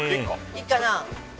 いいかな。